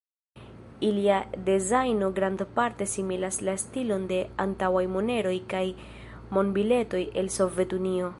Ilia dezajno grandparte similas la stilon de antaŭaj moneroj kaj monbiletoj el Sovetunio.